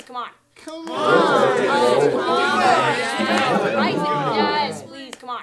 Гэта рознакаляровы постмадэрнісцкі дамок з маленькімі вокнамі.